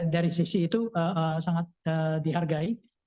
dari sisi itu sangat dihargai